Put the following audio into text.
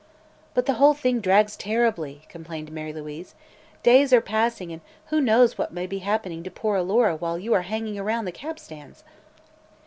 "But the whole thing drags terribly!" complained Mary Louise. "Days are passing, and who knows what may be happening to poor Alora while you are hanging around the cab stands?"